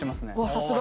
さすが。